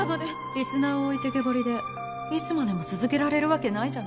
リスナーを置いてけぼりでいつまでも続けられるわけないじゃない。